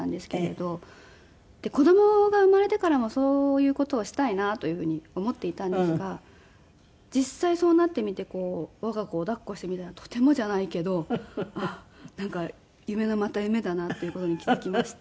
子供が生まれてからもそういう事をしたいなというふうに思っていたんですが実際そうなってみて我が子を抱っこしてみたらとてもじゃないけどなんか夢のまた夢だなっていう事に気付きまして。